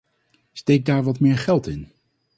Steek daar wat meer geld in!